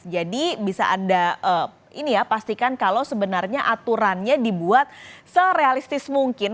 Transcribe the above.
jadi bisa anda ini ya pastikan kalau sebenarnya aturannya dibuat serealistis mungkin